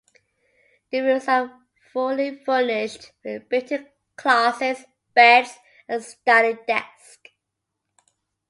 The rooms are fully furnished with built-in closets, beds, and study desks.